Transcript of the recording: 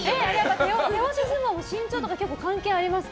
手押し相撲も身長とか結構、関係ありますか？